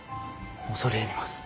恐れ入ります。